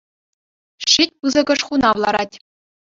Шит пысӑкӑш хунав ларать.